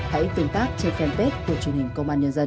hãy tương tác trên fanpage của truyền hình công an nhân dân